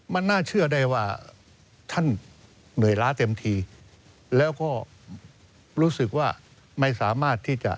มันน่าเชื่อได้ว่าท่านเหนื่อยล้าเต็มทีแล้วก็รู้สึกว่าไม่สามารถที่จะ